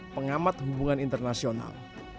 pengamat hubungan internasional